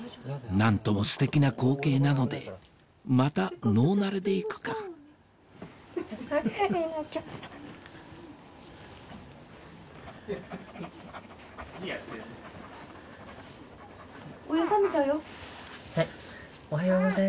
何ともステキな光景なのでまたノーナレで行くかはい。